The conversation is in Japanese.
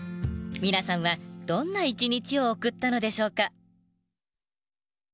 皆さんはどんな一日を送ったのでしょうか。